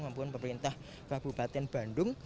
maupun pemerintah kabupaten bandung